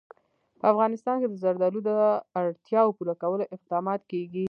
په افغانستان کې د زردالو د اړتیاوو پوره کولو اقدامات کېږي.